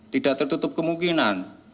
tidak tertutup kemungkinan